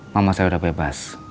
mama saya udah bebas